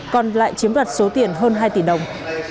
còn lại chiếm đoạt số tiền hơn hai tỷ đồng